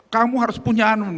kamu harus punya